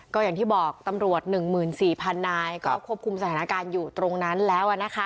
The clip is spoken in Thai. ก็อย่างที่บอกตำรวจ๑๔๐๐นายก็ควบคุมสถานการณ์อยู่ตรงนั้นแล้ว